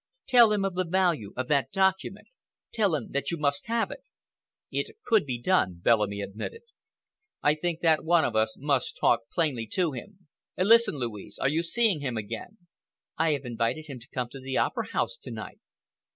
Tell him of the value of that document. Tell him that you must have it." "It could be done," Bellamy admitted. "I think that one of us must talk plainly to him. Listen, Louise,—are you seeing him again?" "I have invited him to come to the Opera House to night."